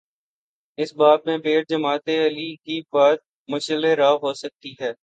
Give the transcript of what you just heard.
اس باب میں پیر جماعت علی کی بات مشعل راہ ہو سکتی ہے۔